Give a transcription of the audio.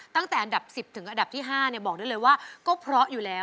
ตั้งแต่อันดับ๑๐ถึงอันดับที่๕บอกได้เลยว่าก็เพราะอยู่แล้ว